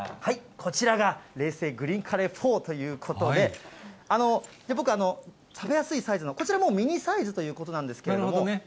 こちらが冷製グリーンカレーフォーということで、僕、食べやすいサイズの、こちらもミニサイズということなんですけれども。